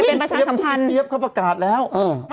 เป็นประชาสัมพันธ์เปี๊ยบเขาประกาศแล้วเออ